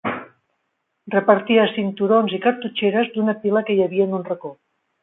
Repartia cinturons i cartutxeres, d'una pila que hi havia en un racó.